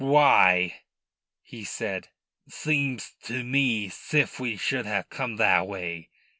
"Why," he said, "seems to me 'sif we should ha' come that way.